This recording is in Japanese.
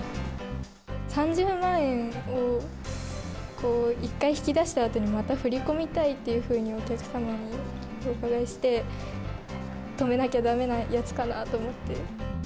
３０万円を一回引き出したあとにまた振り込みたいっていうふうにお客様にお伺いして、止めなきゃだめなやつかなと思って。